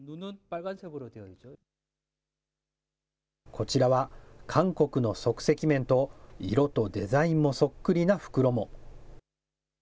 こちらは、韓国の即席麺と、色とデザインもそっくりな袋も。